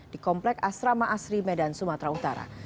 di komplek asrama asri medan sumatera utara